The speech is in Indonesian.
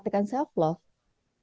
dia nggak mempraktekan self love